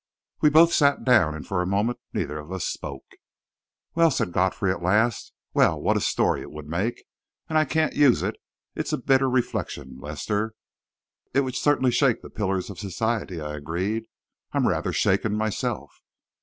We both sat down, and for a moment neither of us spoke. "Well!" said Godfrey, at last. "Well! what a story it would make! And I can't use it! It's a bitter reflection, Lester!" "It would certainly shake the pillars of society," I agreed. "I'm rather shaken myself."